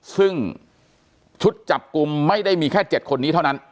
ซึ่งชุดจับกลุ่มไม่ได้มีแค่๗คนนี้เท่านั้น